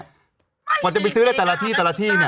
ไม่นิดนี่ครับมันจะไปซื้อได้แต่ละที่แต่ละที่เนี่ย